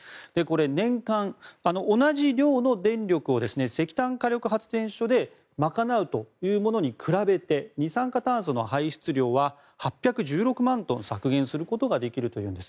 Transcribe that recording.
年間、同じ量の電力を石炭火力発電所で賄うというものに比べて二酸化炭素の排出量は８１６万トン削減することができるということです。